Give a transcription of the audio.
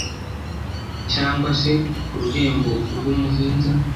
cyangwa se ku Rurembo rw’Umuhinza